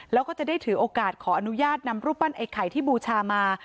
แล้วก็จะได้ถือโอกาสขออนุญาตนำรูปปั้นไอ้ไข่ที่บูชามา